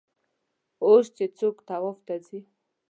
اوس چې څوک طواف ته ځي.